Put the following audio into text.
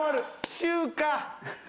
中華！